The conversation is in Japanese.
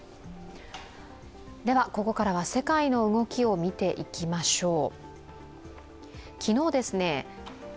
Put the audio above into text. ここからは世界の動きを見ていきましょう。